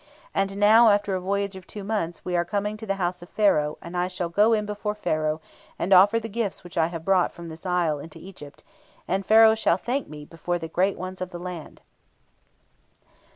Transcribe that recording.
And now, after a voyage of two months, we are coming to the house of Pharaoh, and I shall go in before Pharaoh, and offer the gifts which I have brought from this isle into Egypt, and Pharaoh shall thank me before the great ones of the land."